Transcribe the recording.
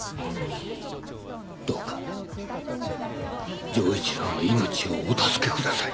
どうか城一郎の命をお助けください。